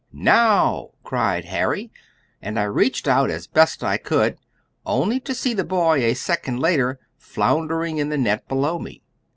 "Now," cried Harry, and I reached out as best I could, only to see the boy, a second later, floundering in the net below me.